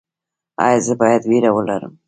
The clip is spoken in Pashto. ایا زه باید ویره ولرم؟